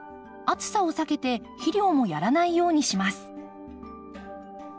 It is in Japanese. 暑さを避けて肥料もやらないようにします。